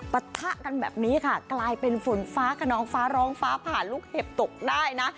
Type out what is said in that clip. ปะทะกันแบบนี้ค่ะกลายเป็นฝนฟ้าขนองฟ้าร้องฟ้าผ่าลูกเห็บตกได้นะ